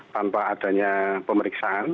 tanpa adanya pemeriksaan